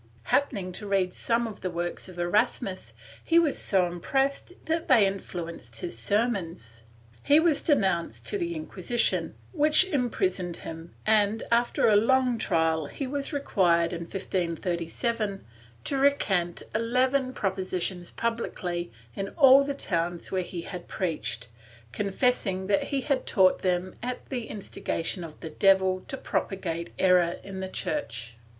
Happening to read some of the works of Erasmus, he was so impressed that they influenced his sermons. He was denounced to the Inquisition, which imprisoned him and, after a long trial he was required, in 1537, to recant eleven prop ositions publicly in all the towns where he had preached, con fessing that he had taught them at the instigation of the devil to propagate error in the Church.